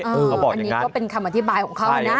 อันนี้ก็เป็นคำอธิบายของเขานะ